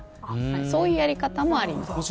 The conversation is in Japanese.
そういうやり方もあります。